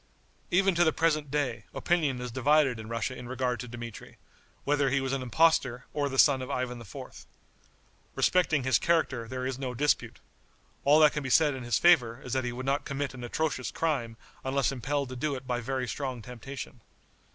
Even to the present day opinion is divided in Russia in regard to Dmitri, whether he was an impostor or the son of Ivan IV. Respecting his character there is no dispute. All that can be said in his favor is that he would not commit an atrocious crime unless impelled to it by very strong temptation.